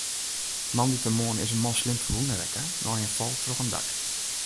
Moandeitemoarn is in man slim ferwûne rekke nei in fal troch in dak.